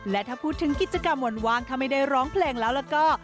และถ้าพูดถึงกิจกรรมหว่อนวางทำให้ได้ร้องเพลงแล้วล่ะก็